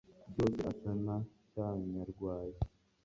byose asa na cya nyarwaya